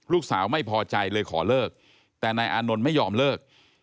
ลูกสาวไม่พอใจเลยขอเลิกแต่นายอานนท์ไม่ยอมเลิก